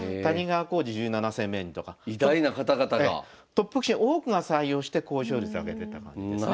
トップ棋士の多くが採用して高勝率挙げてった感じですね。